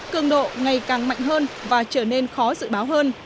cường độ ngày càng mạnh hơn và trở nên khó dự báo hơn